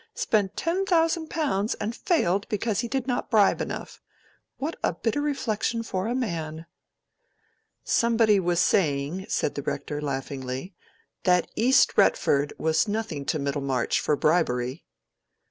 —spent ten thousand pounds and failed because he did not bribe enough. What a bitter reflection for a man!" "Somebody was saying," said the Rector, laughingly, "that East Retford was nothing to Middlemarch, for bribery."